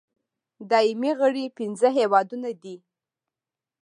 دایمي غړي پنځه هېوادونه دي.